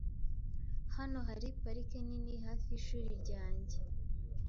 Hano hari parike nini hafi yishuri ryanjye .